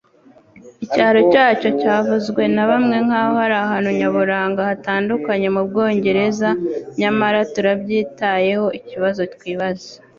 Icyaro cyacyo cyavuzwe na bamwe nkaho ari ahantu nyaburanga hatandukanye mu Bwongereza nyamara turabyitayehoikibazo twibaza